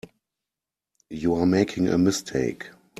You are making a mistake.